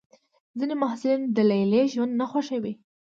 ځینې محصلین د لیلیې ژوند نه خوښوي.